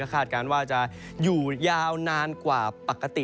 คาดการณ์ว่าจะอยู่ยาวนานกว่าปกติ